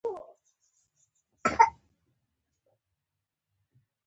ځکه موږ پورته عقلانیت تعریف کړی دی.